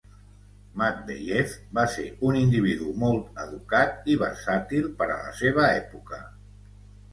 Matveyev va ser un individu molt educat i versàtil per a la seva època.